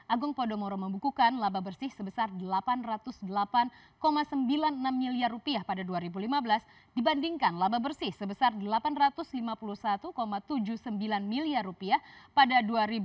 agung podomoro membukukan laba bersih sebesar rp delapan ratus delapan sembilan puluh enam miliar pada dua ribu lima belas dibandingkan laba bersih sebesar rp delapan ratus lima puluh satu tujuh puluh sembilan miliar pada dua ribu delapan belas